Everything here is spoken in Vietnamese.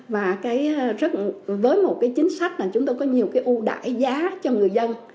và với một cái chính sách là chúng tôi có nhiều cái ưu đải giá cho người dân